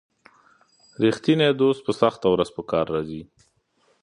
رښتینی دوست په سخته ورځ په کار راځي.